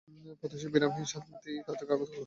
প্রত্যুষে বিরামহীন শাস্তি তাদেরকে আঘাত করল।